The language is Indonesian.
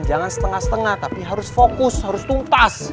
jangan setengah setengah tapi harus fokus harus tuntas